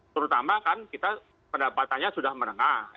terutama kan kita pendapatannya sudah menengah